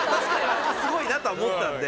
確かにすごいなとは思ったんで。